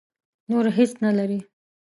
نور هېڅ نه لري.